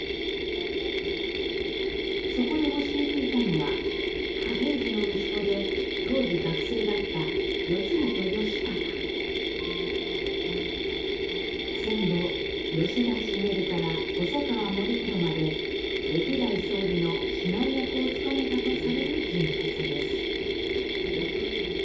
そこで教えていたのが嘉平次の息子で当時学生だった戦後吉田茂から細川護煕まで歴代総理の指南役を務めたとされる人物です。